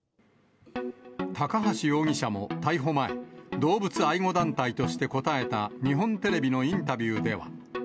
高橋容疑者も逮捕前、動物愛護団体として答えた日本テレビのインタビューでは。